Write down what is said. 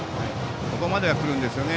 ここまでは来るんですよね。